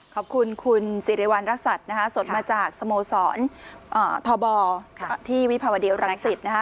ขอบคุณคุณสิริวัณรักษัตริย์นะฮะสดมาจากสโมสรทบที่วิภาวดีรังสิตนะคะ